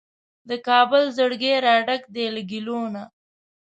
د کابل زړګی راډک دی له ګیلو نه